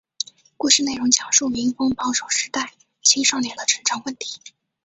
故事内容讲述民风保守时代青少年的成长问题。